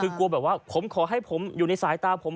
คือกลัวแบบว่าผมขอให้ผมอยู่ในสายตาผม